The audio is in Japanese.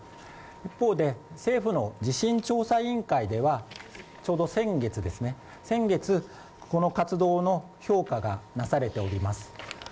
一方で、政府の地震調査委員会ではちょうど先月、この活動の評価がなされております。